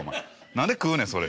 何で食うねんそれ。